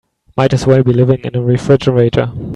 Might as well be living in a refrigerator.